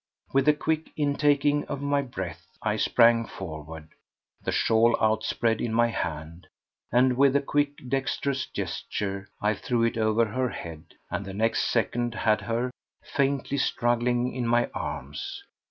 With a quick intaking of my breath I sprang forward, the shawl outspread in my hand, and with a quick dexterous gesture I threw it over her head, and the next second had her, faintly struggling, in my arms.